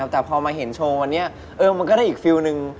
แต่พอมาเห็นโชว์วันนี้มันก็ได้อีกฟิลล์หนึ่ง